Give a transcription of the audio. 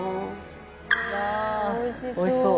松本：おいしそう！